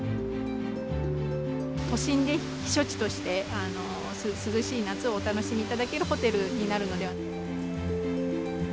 都心で避暑地として、涼しい夏をお楽しみいただけるホテルになるのではないかと。